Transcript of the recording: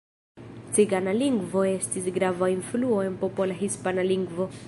Cigana lingvo estis grava influo en popola hispana lingvo.